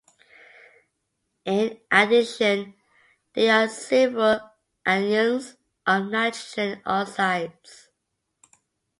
In addition, there are several anions of nitrogen oxides.